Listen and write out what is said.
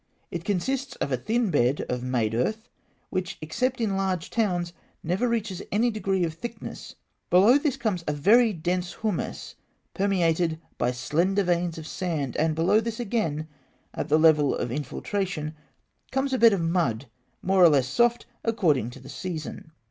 It consists of a thin bed of made earth, which, except in large towns, never reaches any degree of thickness; below this comes a very dense humus, permeated by slender veins of sand; and below this again at the level of infiltration comes a bed of mud, more or less soft, according to the season.